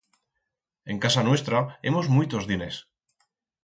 En casa nuestra hemos muitos diners.